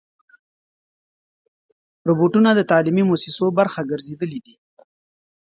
روبوټونه د تعلیمي مؤسسو برخه ګرځېدلي دي.